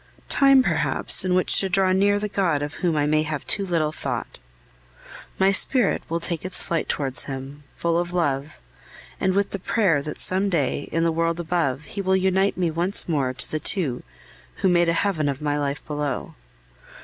Time, perhaps, in which to draw near the God of whom I may have too little thought. My spirit will take its flight towards Him, full of love, and with the prayer that some day, in the world above, He will unite me once more to the two who made a heaven of my life below.